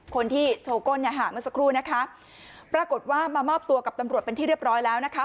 คนที่โชว์ก้นเนี่ยค่ะเมื่อสักครู่นะคะปรากฏว่ามามอบตัวกับตำรวจเป็นที่เรียบร้อยแล้วนะคะ